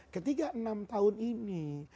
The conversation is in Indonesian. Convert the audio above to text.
ketiga enam tahun ini